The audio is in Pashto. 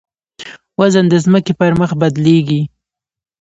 وزن د ځمکې پر مخ بدلېږي.